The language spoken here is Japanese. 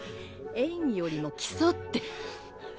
演技よりも基礎って。